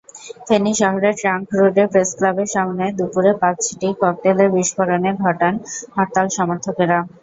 ফেনী শহরের ট্রাংক রোডে প্রেসক্লাবের সামনে দুপুরে পাঁচটি ককটেলের বিস্ফোরণ ঘটান হরতাল-সমর্থকেরা।